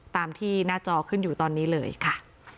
ตามที่หน้าจอขึ้นอยู่ตอนนี้เลยค่ะ